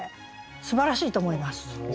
すばらしいと思います。